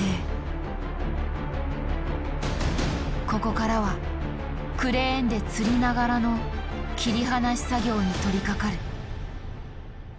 ここからはクレーンでつりながらの切り離し作業に取りかかる。